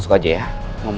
nah kalau dia udah rius